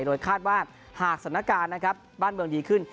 โดยคาดว่าหากสถานการณ์นะครับบ้านเมืองดีขึ้น